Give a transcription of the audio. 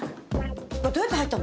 これどうやって入ったの？